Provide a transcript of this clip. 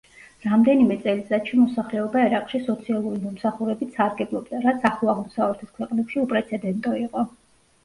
რამდენიმე წელიწადში მოსახლეობა ერაყში სოციალური მომსახურებით სარგებლობდა, რაც ახლო აღმოსავლეთის ქვეყნებში უპრეცედენტო იყო.